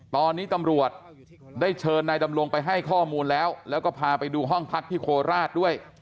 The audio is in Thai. ตอนนี้ตำรวจได้เชิญนายดำรงไปให้ข้อมูลแล้วแล้วก็พาไปดูห้องพักที่โคราชด้วย